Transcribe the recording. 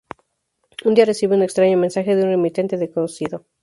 Un día recibe un extraño mensaje de un remitente desconocido.